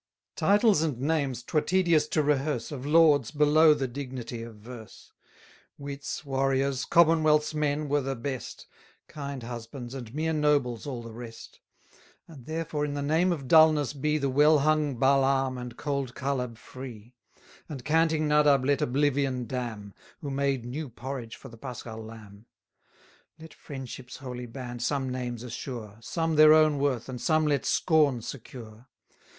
Titles and names 'twere tedious to rehearse Of lords, below the dignity of verse. 570 Wits, warriors, commonwealth's men, were the best: Kind husbands, and mere nobles, all the rest. And therefore, in the name of dulness, be The well hung Balaam and cold Caleb free: And canting Nadab let oblivion damn, Who made new porridge for the paschal lamb. Let friendship's holy band some names assure; Some their own worth, and some let scorn secure.